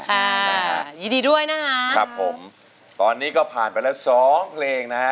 ค่ะยินดีด้วยนะฮะครับผมตอนนี้ก็ผ่านไปแล้วสองเพลงนะฮะ